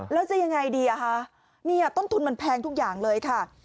แล้วจะยังไงดีต้นทุนมันแพงทุกอย่างเลยค่ะ